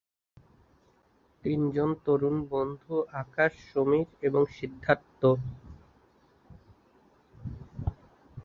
তিনজন তরুণ বন্ধু আকাশ, সমীর এবং সিদ্ধার্থ।